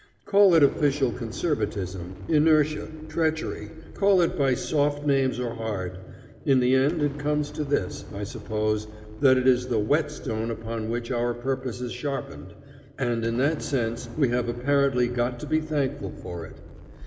Call it official conservatism, inertia, treachery, call it by soft names or hard; in the end it comes to this, I suppose, that it is the whetstone upon which our purpose is sharpened, and in that sense we have apparently got to be thankful for it.